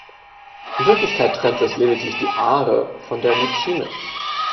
In Wirklichkeit trennt es lediglich die Aare von der Lütschine.